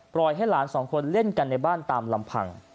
ให้หลานสองคนเล่นกันในบ้านตามลำพัง